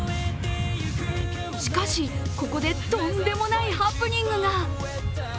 しかしここでとんでもないハプニングが！？